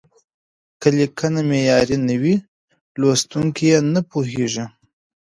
که لیکنه معیاري نه وي، لوستونکي یې نه پوهېږي.